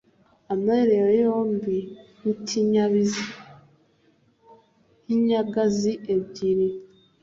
amabere yawe yombi ni nk'inyagazi ebyiri